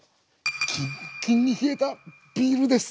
キンキンに冷えたビールです！